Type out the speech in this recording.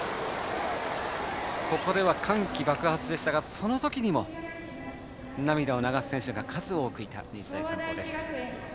ここでは歓喜爆発でしたがそのときにも涙を流す選手が数多くいた日大三高です。